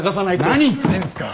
何言ってんすか。